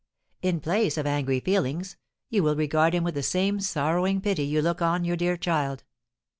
In place of angry feelings, you will regard him with the same sorrowing pity you look on your dear child.